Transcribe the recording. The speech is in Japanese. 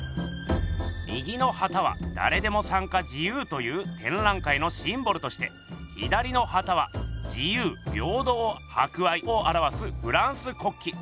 右の旗はだれでも参加自由というてんらい会のシンボルとして左の旗は自由平等博愛をあらわすフランス国旗。